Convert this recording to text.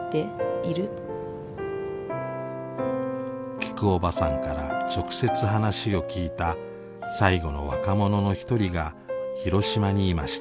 きくおばさんから直接話を聞いた最後の若者の一人が広島にいました。